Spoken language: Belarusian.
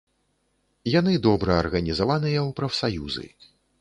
Яны добра арганізаваныя ў прафсаюзы.